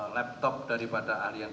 laptop daripada ahli yang